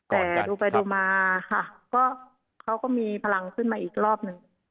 แต่ดูไปดูมาค่ะก็เขาก็มีพลังขึ้นมาอีกรอบหนึ่ง